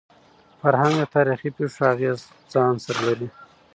فرهنګ د تاریخي پېښو اغېز ځان سره لري.